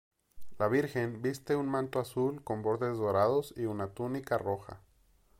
La Virgen viste un manto azul con bordes dorados y una túnica roja.